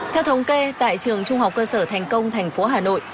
theo thống kê tại trường trung học cơ sở thành công tp hà nội